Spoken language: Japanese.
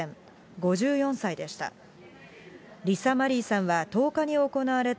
５４歳でした。